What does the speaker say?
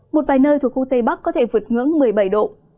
một vài nơi thuộc khu tây bắc có thể vượt ngưỡng một mươi bảy độ